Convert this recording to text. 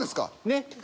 ねっ。